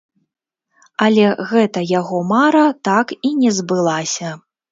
Але гэта яго мара так і не збылася.